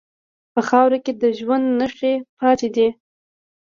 په خاوره کې د ژوند نښې پاتې دي.